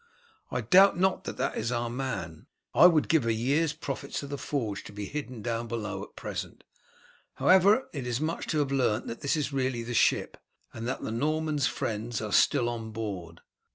I doubt not that it is our man. I would give a year's profits of the forge to be hidden down below at present. However, it is much to have learnt that this is really the ship, and that the Norman's friends are still on board.